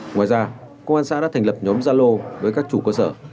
ngoài ra công an xã đã thành lập nhóm gia lô với các chủ cơ sở